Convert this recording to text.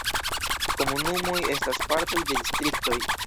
Komunumoj estas partoj de distriktoj.